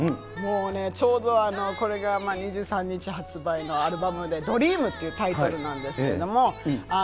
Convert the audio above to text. もうね、ちょうどこれが２３日発売のアルバムで、ＤＲＥＡＭっていうタイトルなんですけれども。